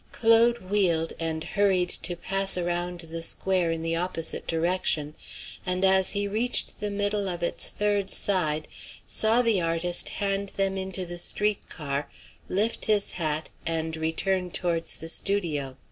Claude wheeled, and hurried to pass around the square in the opposite direction, and, as he reached the middle of its third side, saw the artist hand them into the street car, lift his hat, and return towards the studio.